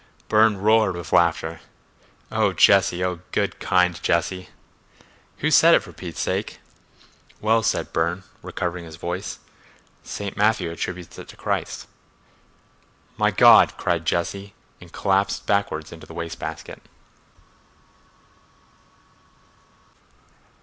Burne roared with laughter. "Oh, Jesse, oh, good, kind Jesse." "Who said it, for Pete's sake?" "Well," said Burne, recovering his voice, "St. Matthew attributes it to Christ." "My God!" cried Jesse, and collapsed backward into the waste basket.